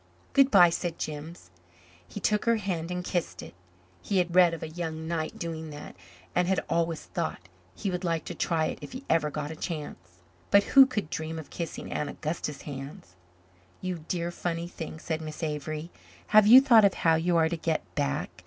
"Good bye," said Jims. He took her hand and kissed it. He had read of a young knight doing that and had always thought he would like to try it if he ever got a chance. But who could dream of kissing Aunt Augusta's hands? "You dear, funny thing," said Miss Avery. "Have you thought of how you are to get back?